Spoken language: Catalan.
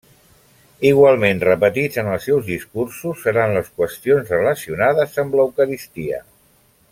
Igualment repetits en els seus discursos seran les qüestions relacionades amb l'Eucaristia.